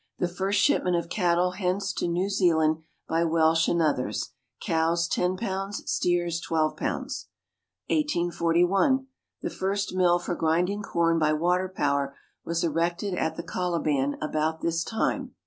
The first shipment of cattle hence to New Zealand by Welsh and others. Cows, 10 ; steers, 12. 1841. The first mill for grinding corn by water power was erected at the Coliban about this time.